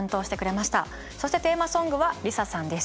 そしてテーマソングはＬｉＳＡさんです。